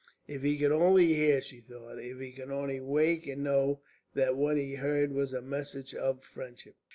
"If he could only hear!" she thought. "If he could only wake and know that what he heard was a message of friendship!"